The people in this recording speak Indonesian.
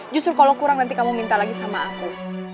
justru kalau kurang nanti kamu minta lagi sama aku